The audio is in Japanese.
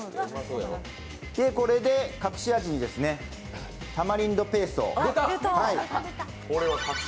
これで隠し味にタマリンドペーストを。